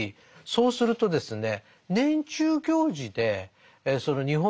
そうするとですね